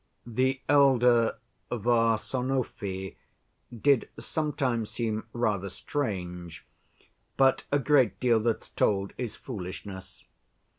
"The elder Varsonofy did sometimes seem rather strange, but a great deal that's told is foolishness.